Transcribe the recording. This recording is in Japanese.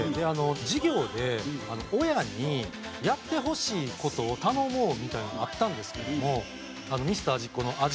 授業で親にやってほしい事を頼もうみたいなのがあったんですけども『ミスター味っ子』の味